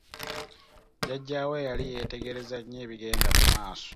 Jjajjaawe yali yeetegereza nnyo ebigenda mu maaso.